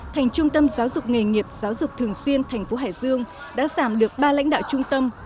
thành trung tâm giáo dục nghề nghiệp giáo dục thường xuyên thành phố hải dương đã giảm được ba lãnh đạo trung tâm